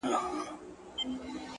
• ستا د خولې خندا يې خوښه سـوېده،